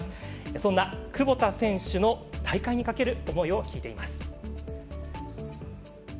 そんな窪田選手の大会にかける思いを聞いています。